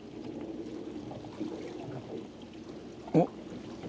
おっ。